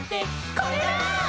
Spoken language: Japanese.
「これだー！」